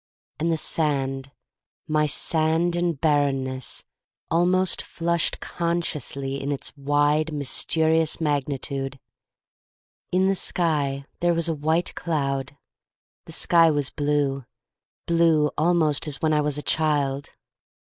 And the sand — my sand and barrenness — almost flushed consciously in its wide, mysterious magnitude. In the sky there was a white cloud. The sky was blue — blue almost as when I was a child.